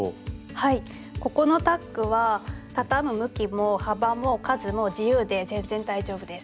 はいここのタックは畳む向きも幅も数も自由で全然大丈夫です。